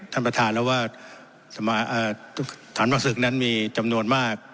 ท่านประธานแล้วว่าฐานประศึกนั้นมีจำนวนมาก